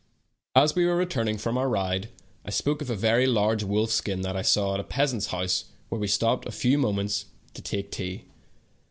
As we were returning from our ride, I spoke of a very large wolf skin that I saw at a peasant's house where we .stopped a few moments* to take tea.